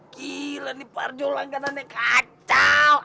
gila nih pardjo langganannya kacau